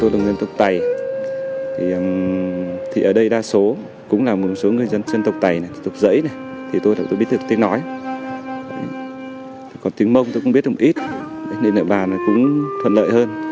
địa bàn này cũng thuận lợi hơn